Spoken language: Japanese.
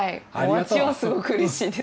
私もすごくうれしいです。